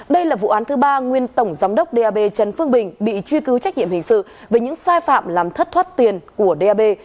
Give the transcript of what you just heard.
đây là vụ án thứ ba nguyên tổng giám đốc đ a b trần phương bình bị truy cứu trách nhiệm hình sự về những sai phạm làm thất thoát tiền của đ a b